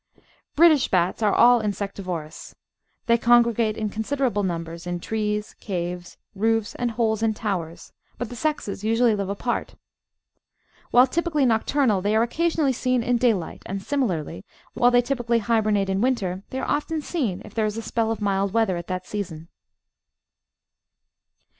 British bats are all insectivorous. They congregate in con siderable nimibers in trees, caves, roofs, and holes in towers; but the sexes usuaUy live apart. While typically nocturnal, they are occasionally seen in daylight; and, similarly, while they typically hibernate in winter, they are often seen if there is a spell of mild weather at that season.